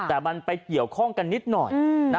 แต่มันไปเกี่ยวข้องกันนิดหน่อย